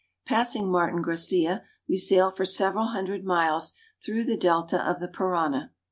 Passing Martin Gracia, we sail for several hundred miles through the delta of the Parana.